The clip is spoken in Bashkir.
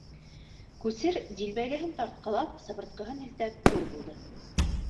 Күсер дилбегәһен тартҡылап, сыбыртҡыһын һелтәп бер булды.